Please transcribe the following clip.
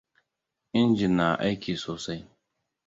Injin na aiki sosai.